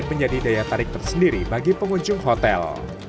menjadi daya tarik tersendiri bagi pengunjung hotel